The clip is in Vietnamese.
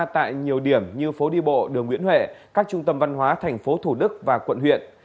tại nhiều điểm như phố đi bộ đường nguyễn huệ các trung tâm văn hóa thành phố thủ đức và quận huyện